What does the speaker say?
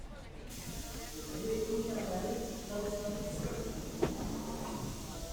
rue Inkermann, vingt-cinq, c.